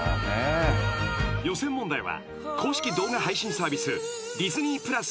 ［予選問題は公式動画配信サービス］